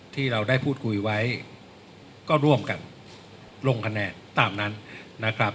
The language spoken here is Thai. ที่เราได้พูดคุยไว้ก็ร่วมกันลงคะแนนตามนั้นนะครับ